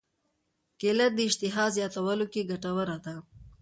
کېله د اشتها زیاتولو کې ګټوره ده.